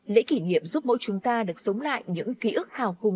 lễ kỷ niệm giúp mỗi chúng ta được sống lại những ký ức hào hùng